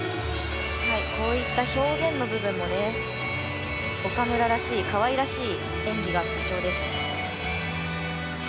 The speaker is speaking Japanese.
こういった表現の部分も岡村らしいかわいらしい演技が特徴です。